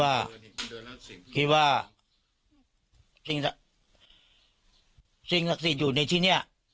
เราคิดว่าคิดว่าสิ่งสสิ่งศักดิ์สิทธิ์อยู่ในที่เนี่ย